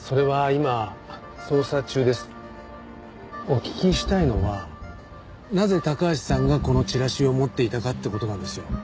お聞きしたいのはなぜ高橋さんがこのチラシを持っていたかって事なんですよ。